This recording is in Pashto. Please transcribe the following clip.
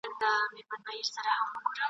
لکه د تللیو زړو یارانو !.